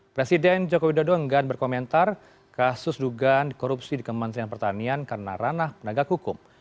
presiden joko widodo enggan berkomentar kasus dugaan korupsi di kementerian pertanian karena ranah penegak hukum